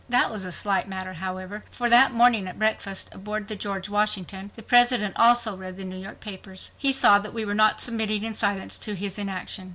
That was a slight matter, however, for that morning at breakfast, aboard the George Washington, the President also read the New York papers. He saw that we were not submitting in silence to his inaction.